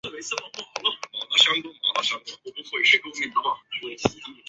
爱尔兰皇家外科医学院位于爱尔兰的都柏林市。